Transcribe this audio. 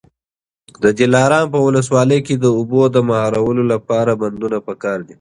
د دلارام په ولسوالۍ کي د اوبو د مهارولو لپاره بندونه پکار دي.